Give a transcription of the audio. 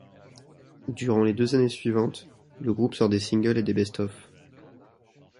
Durant les deux années suivantes, le groupe sort des singles et des best-of.